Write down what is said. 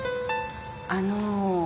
あの。